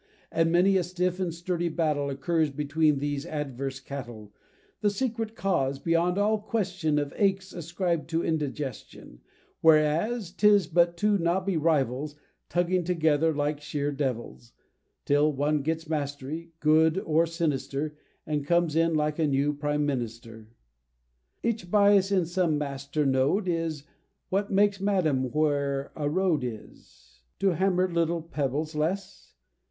And many a stiff and sturdy battle Occurs between these adverse cattle, The secret cause, beyond all question, Of aches ascribed to indigestion, Whereas 'tis but two knobby rivals Tugging together like sheer devils, Till one gets mastery, good or sinister, And comes in like a new prime minister. Each bias in some master node is: What takes M'Adam where a road is, To hammer little pebbles less?